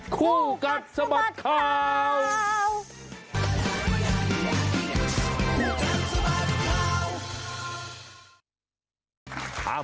คู่กันสมัติข่าว